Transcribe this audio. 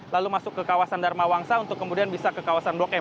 lalu masuk ke kawasan dharma wangsa untuk kemudian bisa ke kawasan blok m